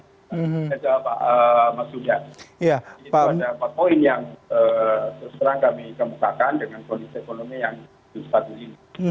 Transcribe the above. ini ada empat poin yang terus terang kami kemukakan dengan kondisi ekonomi yang justru satu ini